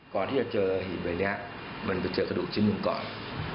ก่อนที่จะเจอหีบใบนี้มันไปเจอกระดูกชิ้นหนึ่งก่อน